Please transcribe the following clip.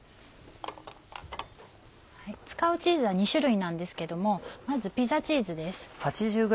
使うチーズは２種類なんですけどもまずピザチーズです。